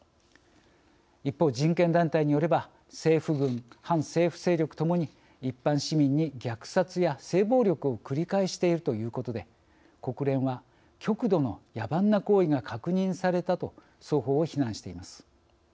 一方人権団体によれば政府軍反政府勢力ともに一般市民に虐殺や性暴力を繰り返しているということで国連は極度の野蛮な行為が確認されたと双方を非難しています。